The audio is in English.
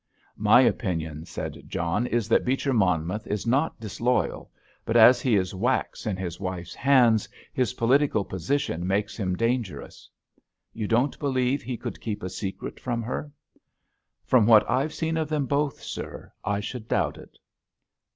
"My opinion," said John, "is that Beecher Monmouth is not disloyal, but, as he is wax in his wife's hands, his political position makes him dangerous." "You don't believe he could keep a secret from her?" "From what I've seen of them both, sir, I should doubt it."